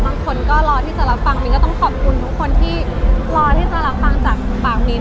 บางคนก็รอที่จะรับฟังมิ้นก็ต้องขอบคุณทุกคนที่รอที่จะรับฟังจากปากมิ้น